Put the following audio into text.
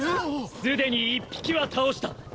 すでに１匹は倒した